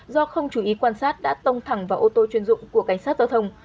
do không chú ý quan sát đã tông thẳng vào ô tô chuyên dụng của cảnh sát giao thông